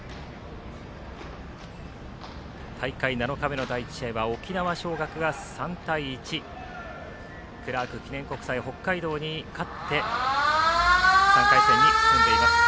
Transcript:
大会７日目の第１試合は沖縄尚学が３対１クラーク記念国際北海道に勝って３回戦に進んでいます。